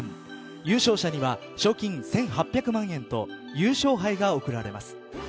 優勝者には賞金１８００万円と優勝杯が贈られます。